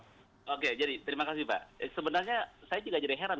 sebenarnya saya juga jadi heran